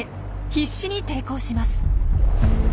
必死に抵抗します。